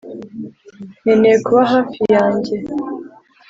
nkeneye kuba hafi yanjye